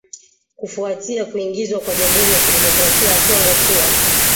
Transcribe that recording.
kufuatia kuingizwa kwa Jamhuri ya Kidemokrasi ya Kongo kuwa